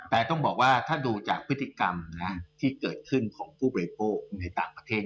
แต่ต้องบอกว่าถ้าดูจากพฤติกรรมที่เกิดขึ้นของผู้บริโภคในต่างประเทศ